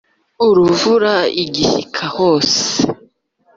uruvura igishyika hose.